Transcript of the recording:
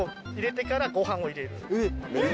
えっ！